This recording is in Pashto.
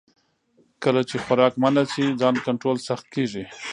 کله چې خوراک منع شي، ځان کنټرول سخت کېږي.